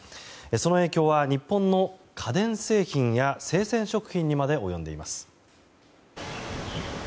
その影響は日本の家電製品や生鮮食品にまで及んでいます。